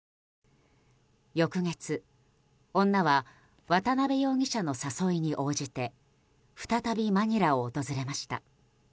翌月、女は渡邉容疑者の誘いに応じて再びマニラを訪れました。